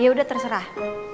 ya udah terserah